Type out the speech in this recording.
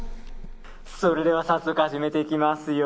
それでは早速始めていきますよ。